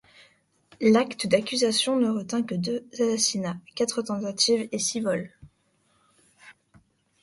L'acte d'accusation ne retint que deux assassinats, quatre tentatives et six vols.